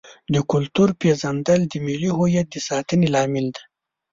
د کلتور پیژندل د ملي هویت د ساتنې لامل دی.